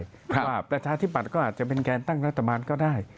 ประชาธิบัติก็อาจจะเป็นแกนตั้งรัฐบาลก็ได้